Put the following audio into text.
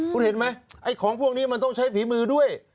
คุณเห็นไหมไอ้ของพวกนี้มันต้องใช้ฝีมือด้วย